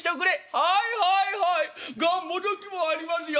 『はいはいはいがんもどきもありますよ』